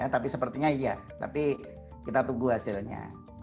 tapi sepertinya iya tapi kita tunggu hasilnya